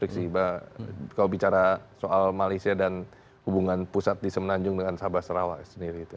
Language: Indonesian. kalau bicara soal malaysia dan hubungan pusat di semenanjung dengan sabah sarawak sendiri itu